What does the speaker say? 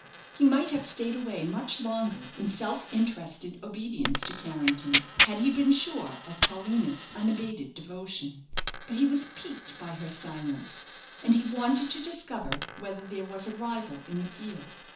He might have stayed away much longer, in self interested obedience to Carrington, had he been sure of Paulina's unabated devotion; but he was piqued by her silence, and he wanted to discover whether there was a rival in the field.